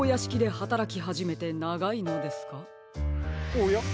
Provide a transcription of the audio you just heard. おや？